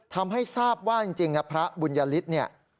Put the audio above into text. ทำให้ทราบว่าจริงพระบุญญฤทธิ์